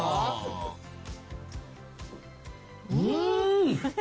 うん！